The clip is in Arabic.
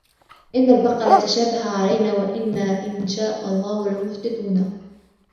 إِنَّ الْبَقَرَ تَشَابَهَ عَلَيْنَا وَإِنَّا إِنْ شَاءَ اللَّهُ لَمُهْتَدُونَ